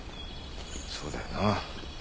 そうだよな。